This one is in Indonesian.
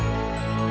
ya aku mau